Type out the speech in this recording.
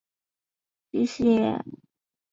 其他主要城市都位于海岸。